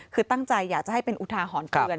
คือตั้งใจอยากให้เป็นอุทาหอนเกิน